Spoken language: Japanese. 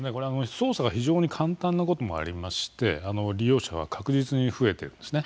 操作が非常に簡単なこともありまして利用者が確実に増えています。